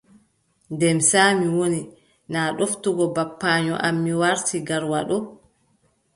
Demsa mi woni. naa ɗoftugo babbaayo am mi warti Garwa ɗo.